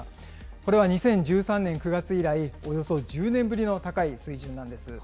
これは２０１３年９月以来、およそ１０年ぶりの高い水準なんです。